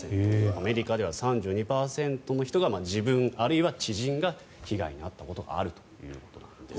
アメリカでは３２％の人が自分、あるいは知人が被害に遭ったことがあるということなんです。